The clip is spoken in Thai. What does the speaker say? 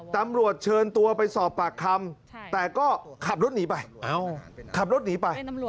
ตำรวจเชิญตัวไปสอบปากคำแต่ก็ขับรถหนีไปขับรถหนีไป